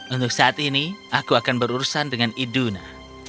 untuk saat ini aku akan berurusan dengan iduna